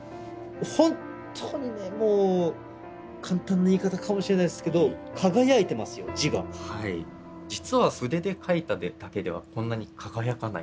本当にねもう簡単な言い方かもしれないですけど実は筆で書いただけではこんなに輝かないんです。